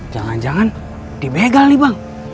jangan jangan dibegal nih bang